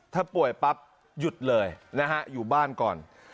ถ้าป่วยปั๊บหยุดเลยนะฮะอยู่บ้านก่อน